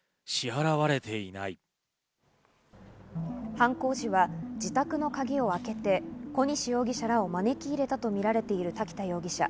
犯行時は自宅の鍵を開けて小西容疑者らを招き入れたとみられている滝田容疑者。